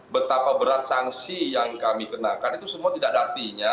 betapa berat sanksi yang kami kenakan itu semua tidak ada artinya